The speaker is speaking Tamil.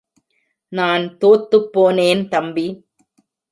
நான் தோத்துப்போனேன் தம்பி.